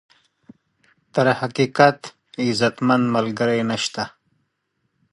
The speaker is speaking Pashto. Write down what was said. تر حقیقت، عزتمن ملګری نشته.